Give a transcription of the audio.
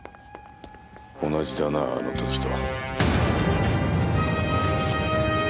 同じだなあの時と。